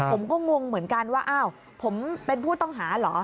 ผมก็งงเหมือนกันว่าอ้าวผมเป็นผู้ต้องหาเหรอ